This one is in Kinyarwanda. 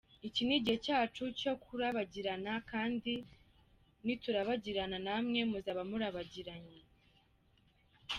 Iki ni igihe cyacu cyo kurabagirana, kandi niturabagirana namwe muzaba murabagiranye.